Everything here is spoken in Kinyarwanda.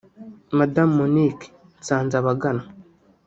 Madamu Monique Nsanzabaganwa